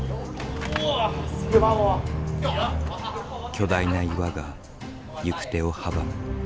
巨大な岩が行く手を阻む。